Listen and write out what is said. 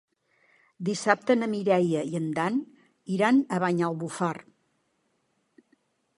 Dissabte na Mireia i en Dan iran a Banyalbufar.